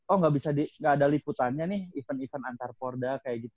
oh gak bisa gak ada liputannya nih event event antar porda kayak gitu